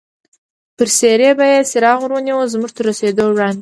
پر څېرې به یې څراغ ور ونیو، زموږ تر رسېدو وړاندې.